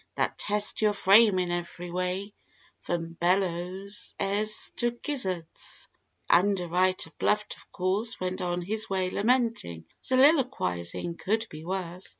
That test your frame in ev'ry way from bellowses to gizzards. The underwriter bluffed of course went on his way lamenting— Soliloquising—"Could be worse.